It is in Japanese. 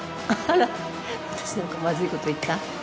あら私何かまずいこと言った？